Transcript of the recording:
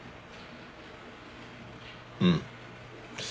うん。